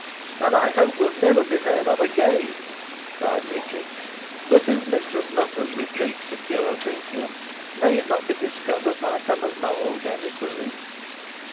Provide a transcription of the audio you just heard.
"And I hope will never be heard of again," cried Richard. "But is Mistress Nutter's retreat secure, think you? May it not be discovered by some of Nowell's emissaries?"